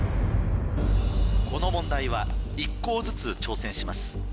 この問題は１校ずつ挑戦します。